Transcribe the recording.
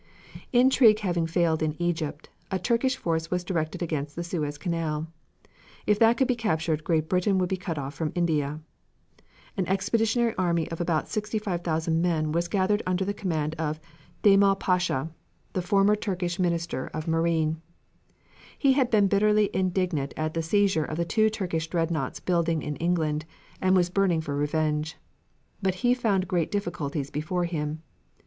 Intrigue having failed in Egypt, a Turkish force was directed against the Suez Canal. If that could be captured Great Britain could be cut off from India. An expeditionary army of about 65,000 men was gathered under the command of Djemal Pasha, the former Turkish Minister of Marine. He had been bitterly indignant at the seizure of the two Turkish dreadnaughts building in England, and was burning for revenge. But he found great difficulties before him.